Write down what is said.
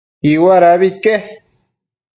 Iuadabi ique